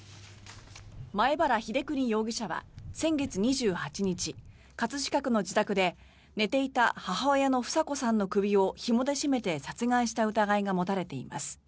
前原英邦容疑者は先月２８日葛飾区の自宅で寝ていた母親の房子さんの首をひもで絞めて殺害した疑いが持たれています。